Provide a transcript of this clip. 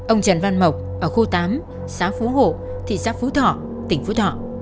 ông trần văn mộc ở khu tám xã phú hộ thị xã phú thọ tỉnh phú thọ